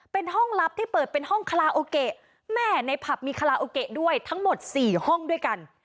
เป็นห้องลับที่เปิดเป็นห้องคาลาโอเกะแม่ในผับมีคาราโอเกะด้วยทั้งหมด๔ห้องด้วยกัน